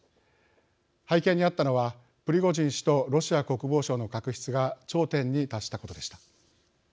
背景にあったのはプリゴジン氏とロシア国防省の確執が頂点に達したことでした。